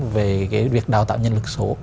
về cái việc đào tạo nhân lực số